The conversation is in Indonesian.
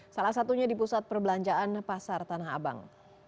salah satunya di pusat perbelanjaan pasar tanah abang